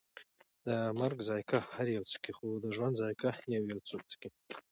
د مرګ ذائقه هر یو څکي، خو د ژوند ذائقه یویو څوک څکي